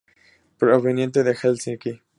Proveniente de Helsinki.